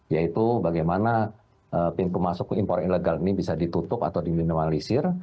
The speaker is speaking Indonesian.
yaitu bagaimana pintu masuk ke impor ilegal ini bisa ditutup atau di minimalisir